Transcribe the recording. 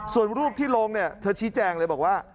ส่วนรูปที่ลงเนี่ยเธอชี้แจงเลยบอกว่า